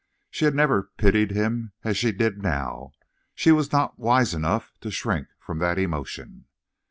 She had never pitied him as she did now; she was not wise enough to shrink from that emotion.